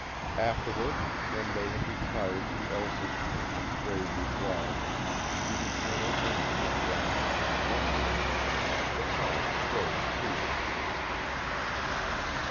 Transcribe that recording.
Afterward when they had retired to Elsa's pink and gray boudoir, the eternal envy of Grande Mignon womanhood, the talk flowed freely.